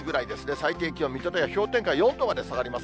最低気温、水戸では氷点下４度まで下がります。